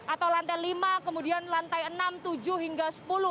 atau lantai lima kemudian lantai enam tujuh hingga sepuluh